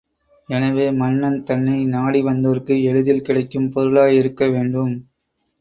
எனவே, மன்னன் தன்னை நாடி வந்தோர்க்கு எளிதில் கிடைக்கும் பொருளாயிருக்க வேண்டும்.